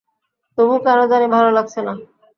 তবু কেন জানি ভালো লাগছে না।